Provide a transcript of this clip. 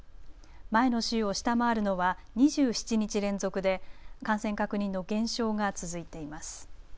前の週を下回るのは２７日連続で感染確認の減少が続いています。